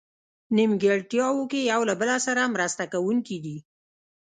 نیمګړتیاوو کې یو له بله سره مرسته کوونکي دي.